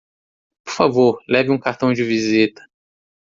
Por favor, leve um cartão de visita.